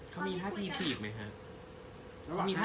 เขามีท่าทีถีบไหมครับ